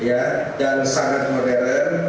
ya dan sangat modern